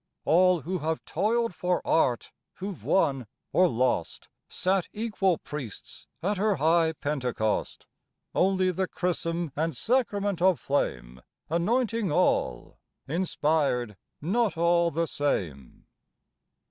All who have toiled for Art, who've won or lost, Sat equal priests at her high Pentecost; Only the chrism and sacrament of flame, Anointing all, inspired not all the same.